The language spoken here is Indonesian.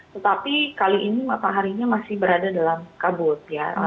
tetapi kali ini mataharinya masih berada dalam kabut ya